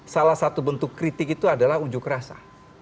salah satu bentuk kritik itu adalah ujuk rasa